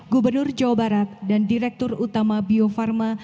gubernur jawa barat dan direktur utama bio farma